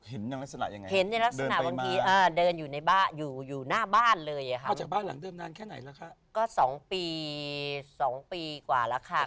ลักษณะยังไงเห็นในลักษณะบางทีเดินอยู่ในบ้านอยู่อยู่หน้าบ้านเลยอ่ะค่ะมาจากบ้านหลังเดิมนานแค่ไหนล่ะคะก็สองปีสองปีกว่าแล้วค่ะ